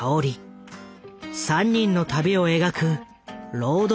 ３人の旅を描くロード